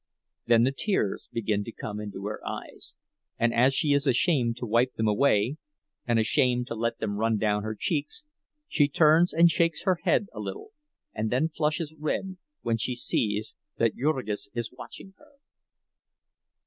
Then the tears begin to come into her eyes; and as she is ashamed to wipe them away, and ashamed to let them run down her cheeks, she turns and shakes her head a little, and then flushes red when she sees that Jurgis is watching her.